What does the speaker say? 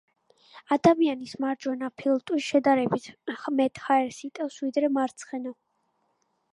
ადამიანის მარჯვენა ფილტვი შედარებით მეტ ჰაერს იტევს, ვიდრე მარცხენა